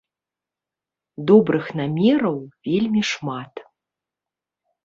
Добрых намераў вельмі шмат.